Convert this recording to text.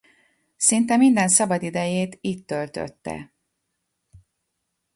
Szinte minden szabadidejét itt töltötte.